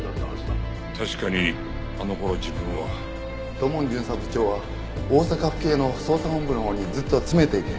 確かにあの頃自分は。土門巡査部長は大阪府警の捜査本部のほうにずっと詰めていて。